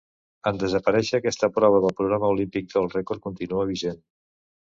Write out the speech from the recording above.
En desaparèixer aquesta prova del programa olímpic el rècord continua vigent.